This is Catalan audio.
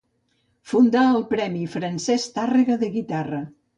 Fundà el premi Francesc Tàrrega de guitarra.